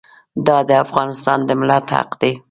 دا د افغانستان د ملت حق دی.